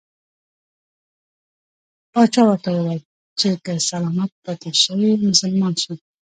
پاچا ورته وویل چې که سلامت پاته شوې مسلمان شم.